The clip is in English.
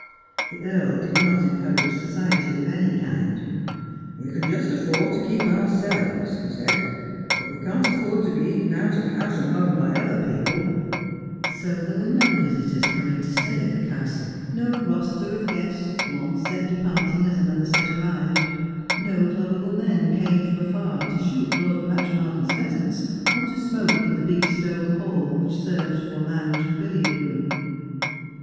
The earl did not encourage society of any kind. ' We can just afford to keep ourselves,' he said ;' but we can't afford to be eaten out of house and home by other people.' 108 Just as I Am. So there were no visitors coming to stay at the castle, no roster of guests, one set departing as another set arrived. No clubable men came from afar to shoot Lord Blatchmardean's pheasants, or to smoke in the big stone hall which served for lounge and billiard room.